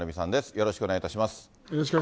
よろしくお願いします。